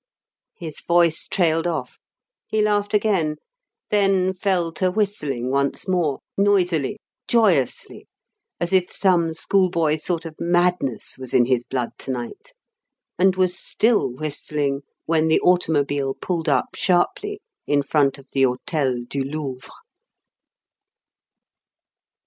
His voice trailed off; he laughed again; then fell to whistling once more noisily, joyously, as if some schoolboy sort of madness was in his blood to night and was still whistling when the automobile pulled up sharply in front of the Hôtel du Louvre.